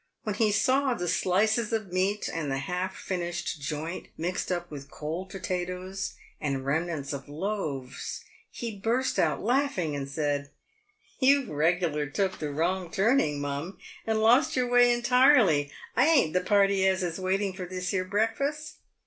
When he saw the slices of meat and the half finished joint mixed up with cold potatoes and remnants of loaves, he burst out laughing, and said, " You've regular took the wrong turning, mum, and lost your way entirely ; I ain't the party as is waiting for this here breakfast."